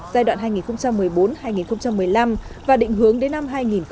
giai đoạn hai nghìn một mươi bốn hai nghìn một mươi năm và định hướng đến năm hai nghìn hai mươi